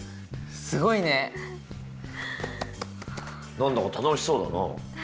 何だか楽しそうだな。